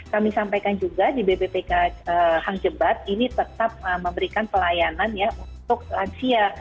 kami sampaikan juga di bppk hang jebat ini tetap memberikan pelayanan ya untuk lansia